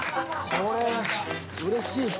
これはうれしいわ。